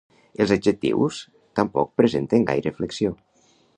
Els adjectius tampoc presenten gaire flexió.